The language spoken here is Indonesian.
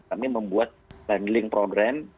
kami membuat bundling program